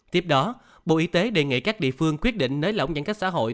tiếp đó bộ y tế đề nghị các địa phương quyết định nới lỏng giãn cách xã hội